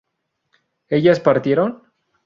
¿ellas partieron?